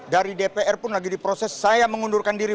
dari dpr pun lagi diproses saya mengundurkan diri